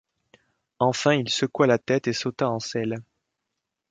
Enfin il secoua la tête et sauta en selle.